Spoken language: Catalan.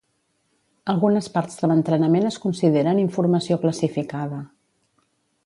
Algunes parts de l'entrenament es consideren informació classificada.